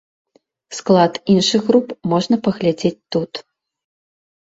Склад іншых груп можна паглядзець тут.